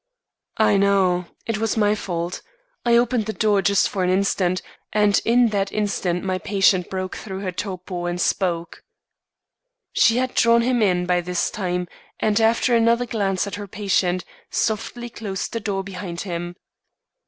"I know. It was my fault; I opened the door just for an instant, and in that instant my patient broke through her torpor and spoke." She had drawn him in, by this time, and, after another glance at her patient, softly closed the door behind him.